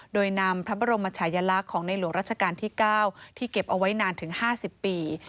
โดยนำพระบรมชายลักษณ์ของในหลวงราชการที่๙ที่เก็บเอาไว้นานถึง๕๐ปี